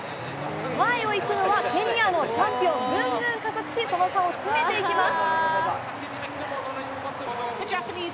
前を行くのはケニアのチャンピオン、ぐんぐん加速し、その差を詰めていきます。